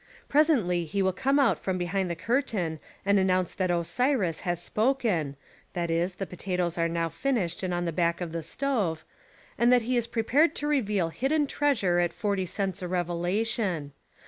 Presently he will come out from behind the curtain and announce that Osiris has spoken (that is, the potatoes are now finished and on the back of the stove) and that he is prepared to reveal hidden treasure at 40 cents a revelation.